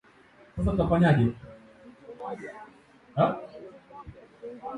Eamon Gilmore alisema ameelezea wasiwasi wa umoja huo